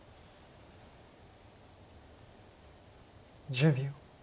１０秒。